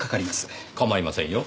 構いませんよ。